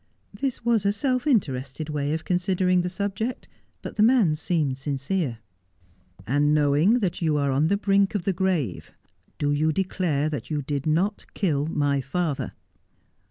This was a self interested way of considering the subject, but the man seemed sincere. 'And knowing that you are on the brink of the grave, do you declare that you did not kill my father